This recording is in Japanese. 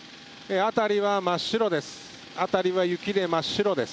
辺りは雪で真っ白です。